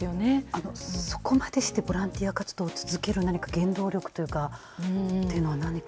そこまでして、ボランティア活動を続ける、何か原動力というか、というのは、何か。